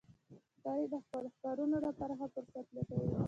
ښکاري د خپلو ښکارونو لپاره ښه فرصت لټوي.